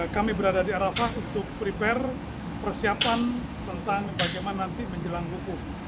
kami berada di arafah untuk prepare persiapan tentang bagaimana nanti menjelang wukuf